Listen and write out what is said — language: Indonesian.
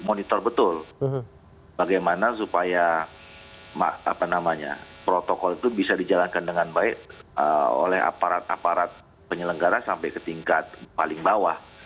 monitor betul bagaimana supaya protokol itu bisa dijalankan dengan baik oleh aparat aparat penyelenggara sampai ke tingkat paling bawah